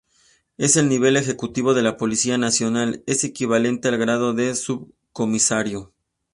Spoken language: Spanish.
En el Nivel Ejecutivo de la Policía Nacional, es equivalente al grado de Subcomisario.